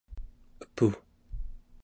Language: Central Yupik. epu